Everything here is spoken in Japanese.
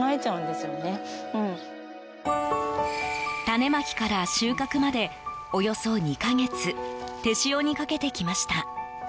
種まきから収穫までおよそ２か月手塩にかけてきました。